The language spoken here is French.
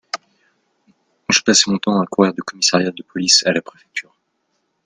Je passais mon temps à courir du commissariat de police à la préfecture.